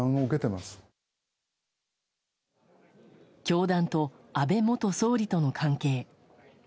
教団と安倍元総理との関係。